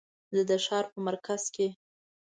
زه د ښار په مرکز کې